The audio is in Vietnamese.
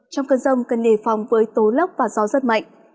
trong cơn rông cần nề phòng với tố lốc và gió rất mạnh